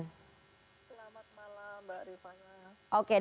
selamat malam mbak rifaya